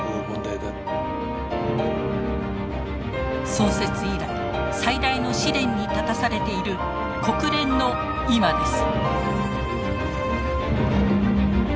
創設以来最大の試練に立たされている国連の今です。